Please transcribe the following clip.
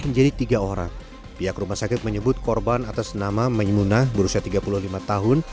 menjadi tiga orang pihak rumah sakit menyebut korban atas nama menyemunah berusia tiga puluh lima tahun